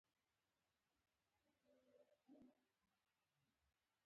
د چاډ هېواد متل وایي خندا نړیواله ژبه ده.